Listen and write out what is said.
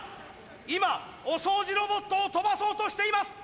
今お掃除ロボットを跳ばそうとしています！